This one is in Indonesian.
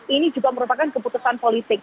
ini juga merupakan keputusan politik